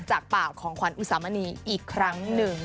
จากปากของขวัญอุสามณีอีกครั้งหนึ่ง